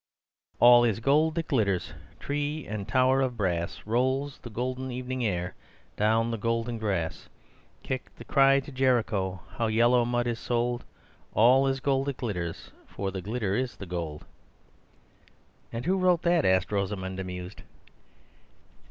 "All is gold that glitters— Tree and tower of brass; Rolls the golden evening air Down the golden grass. Kick the cry to Jericho, How yellow mud is sold; All is gold that glitters, For the glitter is the gold." "And who wrote that?" asked Rosamund, amused.